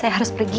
saya harus pergi